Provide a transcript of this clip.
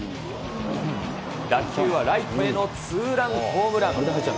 打球はライトへのツーランホームラン。